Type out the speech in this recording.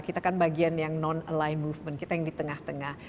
kita kan bagian yang non align movement kita yang di tengah tengah